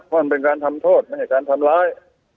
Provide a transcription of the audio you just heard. ว่าเป็นการทำโทษไม่ใช่การทำร้าย